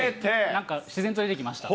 なんか自然と出てきました。